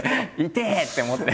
痛え！って思って。